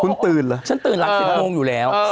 คุณตื่นเหรอฉันตื่นหลัง๑๐โมงอยู่แล้ว